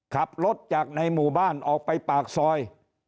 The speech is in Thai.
ขับรถจากในหมู่บ้านออกไปปากซอย